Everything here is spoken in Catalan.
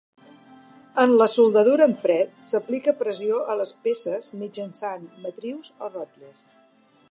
En la soldadura en fred, s'aplica pressió a les peces mitjançant matrius o rotlles.